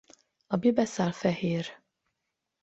A bibeszál fehér.